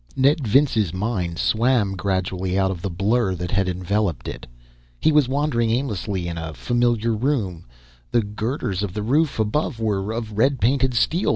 Ned Vince's mind swam gradually out of the blur that had enveloped it. He was wandering aimlessly about in a familiar room. The girders of the roof above were of red painted steel.